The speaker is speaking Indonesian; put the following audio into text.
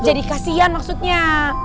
jadi kasian maksudnya